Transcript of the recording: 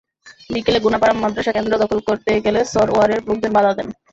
বিকেলে ঘোনাপাড়া মাদ্রাসা কেন্দ্র দখল করতে গেলে সরওয়ারের লোকজন বাধা দেন।